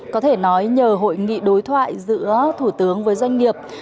có thể nói nhờ hội nghị đối thoại giữa thủ tướng với doanh nghiệp